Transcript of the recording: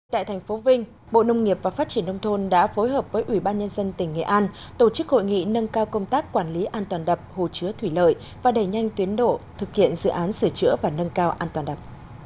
tại thành phố vinh bộ nông nghiệp và phát triển nông thôn đã phối hợp với ủy ban nhân dân tỉnh nghệ an tổ chức hội nghị nâng cao công tác quản lý an toàn đập hồ chứa thủy lợi và đẩy nhanh tiến độ thực hiện dự án sửa chữa và nâng cao an toàn đập